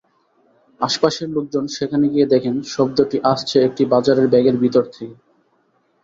আশপাশের লোকজন সেখানে গিয়ে দেখেন শব্দটি আসছে একটি বাজারের ব্যাগের ভেতর থেকে।